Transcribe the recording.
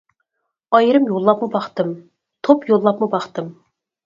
ئايرىم يوللاپمۇ باقتىم، توپ يوللاپمۇ باقتىم.